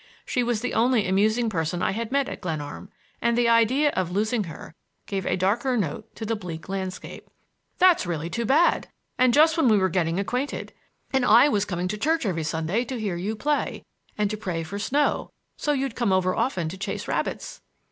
She was the only amusing person I had met at Glenarm, and the idea of losing her gave a darker note to the bleak landscape. "That's really too bad! And just when we were getting acquainted! And I was coming to church every Sunday to hear you play and to pray for snow, so you'd come over often to chase rabbits!"